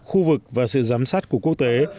khu vực và sự giám sát của quốc tế